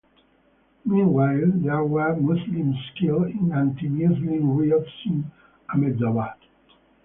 Meanwhile, there were Muslims killed in anti-Muslim riots in Ahmedabad.